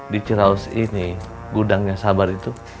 di ciraus ini gudangnya sabar itu